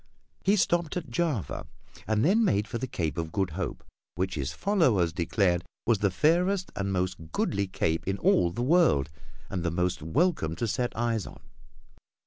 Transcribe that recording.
He stopped at Java, and then made for the Cape of Good Hope which his followers declared was the fairest and most goodly cape in all the world, and the most welcome to set eyes on.